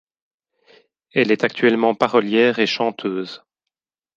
Elle est actuellement parolière et chanteuse.